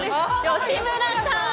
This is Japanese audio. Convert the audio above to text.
吉村さん！